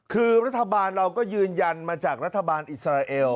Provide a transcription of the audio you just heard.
คือรัฐบาลเราก็ยืนยันมาจากรัฐบาลอิสราเอล